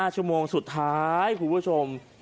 ชั่วโมงสุดท้ายคุณผู้ชม